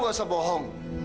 enggak usah bohong